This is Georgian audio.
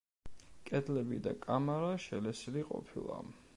კედლები და კამარა შელესილი ყოფილა.